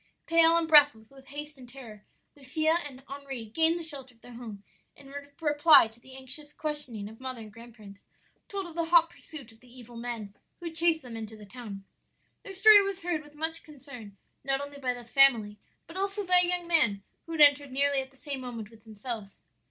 "Pale and breathless with haste and terror, Lucia and Henri gained the shelter of their home, and in reply to the anxious questioning of mother and grandparents, told of the hot pursuit of the evil men who had chased them into the town. "Their story was heard with much concern, not only by the family, but also by a young man who had entered nearly at the same moment with themselves.